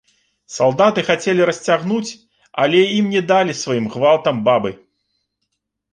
Салдаты хацелі расцягнуць, але ім не далі сваім гвалтам бабы.